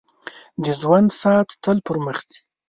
• د ژوند ساعت تل پر مخ ځي.